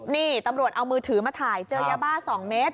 นี่ตำรวจเอามือถือมาถ่ายเจอยาบ้า๒เมตร